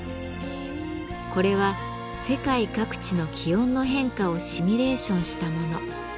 これは世界各地の気温の変化をシミュレーションしたもの。